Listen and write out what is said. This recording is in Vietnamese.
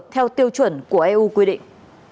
theo tiêu chuẩn của eu quy định